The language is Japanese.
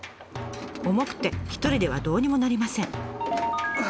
重くて一人ではどうにもなりません。